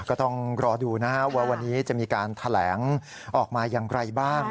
ก็ต้องรอดูนะครับว่าวันนี้จะมีการแถลงออกมาอย่างไรบ้าง